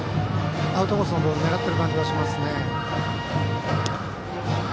アウトコースのボールを狙っている感じがしますね。